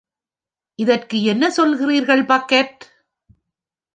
இதற்கு என்ன சொல்கிறீர்கள், பக்கெட்?